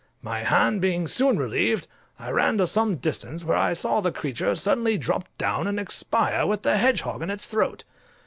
My hand being soon relieved, I ran to some distance, where I saw the creature suddenly drop down and expire with the hedgehog in its throat.